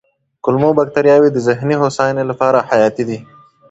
کولمو بکتریاوې د ذهني هوساینې لپاره حیاتي دي.